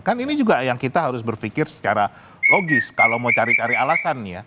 kan ini juga yang kita harus berpikir secara logis kalau mau cari cari alasan ya